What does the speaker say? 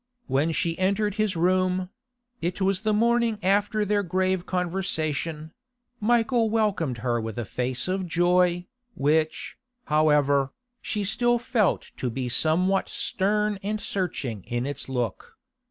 When she entered his room—it was the morning after their grave conversation—Michael welcomed her with a face of joy, which, however, she still felt to be somewhat stern and searching in its look.